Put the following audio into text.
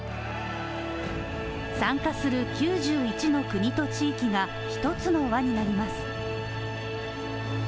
参加する９１の国と地域が１つの輪になります。